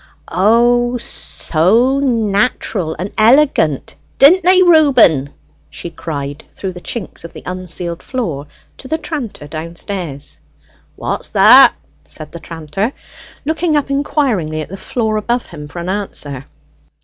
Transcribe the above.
"O, so natural and elegant, didn't they, Reuben!" she cried, through the chinks of the unceiled floor, to the tranter downstairs. "What's that?" said the tranter, looking up inquiringly at the floor above him for an answer.